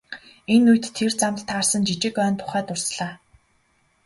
Энэ үед тэр замд таарсан жижиг ойн тухай дурслаа.